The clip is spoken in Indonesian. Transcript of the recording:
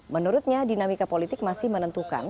menurutnya dinamika politik masih menentukan